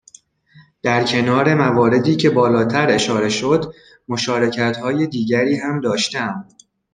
در کنار مواردی که بالاتر اشاره شد، مشارکتهای دیگری هم داشتهام